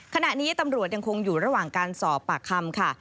ขณะนี้ตำรวจยังคงอยู่ระหว่างการสอบปากคำค่ะ